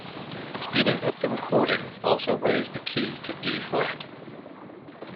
Speeding up the recording also raised the key to E-flat.